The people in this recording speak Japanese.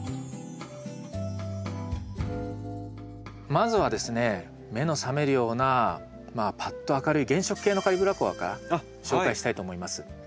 まずはですね目の覚めるようなパッと明るい原色系のカリブラコアから紹介したいと思います。